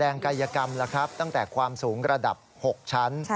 กายกรรมแล้วครับตั้งแต่ความสูงระดับ๖ชั้น